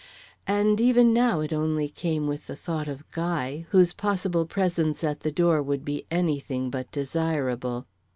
And even now it only came with the thought of Guy, whose possible presence at the door would be any thing but desirable.